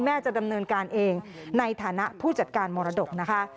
จะดำเนินการเองในฐานะผู้จัดการมรดกนะคะ